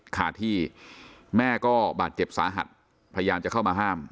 ขาดที่แม่ก็บาดเจ็บสาหัสพยายามจะเข้ามาห้าม